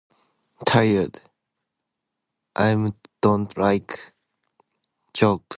Tired. I'm don't like joke.